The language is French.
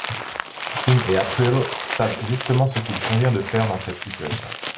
Fin et April savent justement ce qu'il convient de faire dans cette situation.